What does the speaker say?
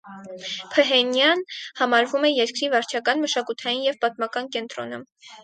Փհենյան համարվում է երկրի վարչական, մշակութային և պատմական կենտրոնը։